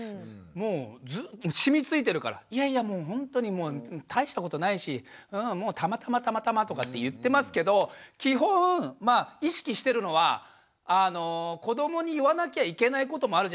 もう染みついてるから「いやいやほんとにもう大したことないしたまたまたまたま」とかって言ってますけど基本まあ意識してるのは子どもに言わなきゃいけないこともあるじゃないですか。